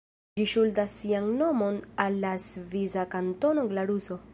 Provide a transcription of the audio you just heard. Ĝi ŝuldas sian nomon al la svisa kantono Glaruso.